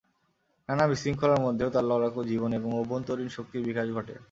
নানা বিশৃঙ্খলার মধ্যেও তাঁর লড়াকু জীবন এবং অভ্যন্তরীণ শক্তির বিকাশ ঘটে।